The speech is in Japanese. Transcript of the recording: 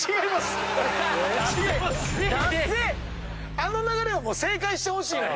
あの流れは正解してほしいのよ。